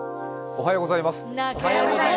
おはようございます。